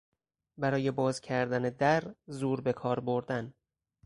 برای باز کردن در زور به کار بردن